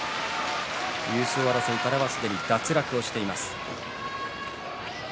優勝争いからはすでに脱落をしています。